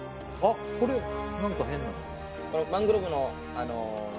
あ、これ何か変なの。